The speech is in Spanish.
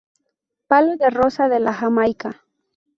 Palo de rosa de la Jamaica.